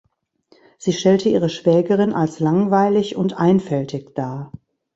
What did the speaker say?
Sie stellte ihre Schwägerin als langweilig und einfältig dar.